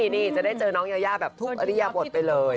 นี่จะได้เจอน้องยายาแบบทุกอริยบทไปเลย